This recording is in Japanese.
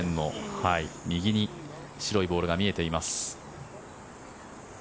右に白いボールが見えています。